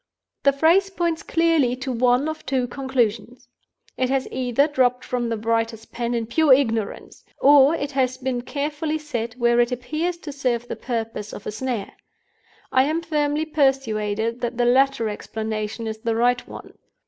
The phrase points clearly to one of two conclusions. It has either dropped from the writer's pen in pure ignorance, or it has been carefully set where it appears to serve the purpose of a snare. I am firmly persuaded that the latter explanation is the right one.